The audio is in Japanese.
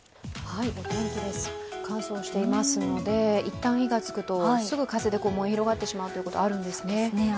乾燥していますので、一旦火がつくと、すぐ風で燃え広がってしまうということ、あるんですね。